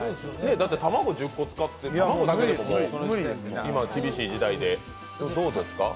だって卵１０個使っているっていうことは卵だけでも今、厳しい時代で、どうですか？